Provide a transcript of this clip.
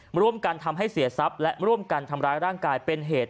มาร่วมกันทำให้เสียทรัพย์และร่วมกันทำร้ายร่างกายเป็นเหตุ